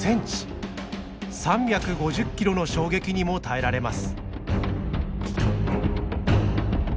３５０キロの衝撃にも耐えられます。